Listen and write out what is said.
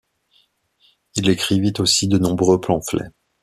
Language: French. Il écrivit aussi de nombreux pamphlets.